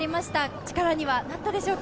力にはなったでしょうか。